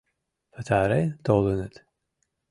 — Пытарен толыныт.